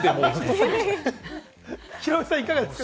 ヒロミさん、いかがですか？